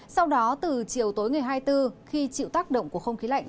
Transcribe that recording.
sau đó từ chiều tối ngày hai mươi bốn khi chịu tác động của không khí lạnh